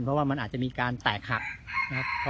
เพราะว่ามันอาจจะมีการแตกหักนะครับ